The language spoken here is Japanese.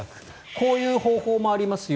こういう方法もありますよ